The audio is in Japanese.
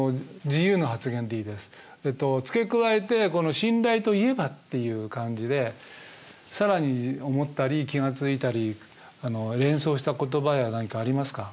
付け加えて「信頼といえば」っていう感じで更に思ったり気が付いたり連想した言葉や何かありますか？